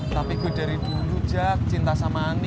tapi gue dari dulu jack cinta sama ani